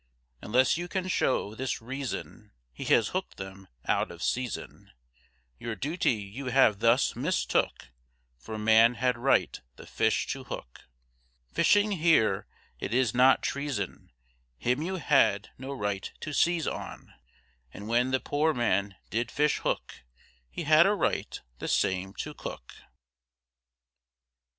Unless you can show this reason, He has hooked them out of season, Your duty you have thus mistook, For man had right the fish to hook. Fishing here it is not treason, Him you had no right to seize on, And when the poor man did fish hook, He had a right the same to cook.